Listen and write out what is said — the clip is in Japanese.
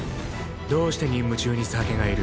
どうして任務中に酒がいる？